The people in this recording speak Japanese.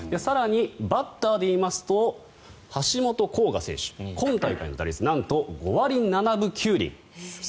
バッターで言いますと橋本航河選手、今大会の打率なんと５割７分９厘。